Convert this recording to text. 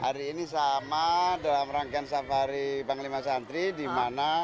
hari ini sama dalam rangkaian safari panglima santri di mana